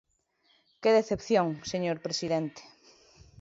¡Que decepción, señor presidente!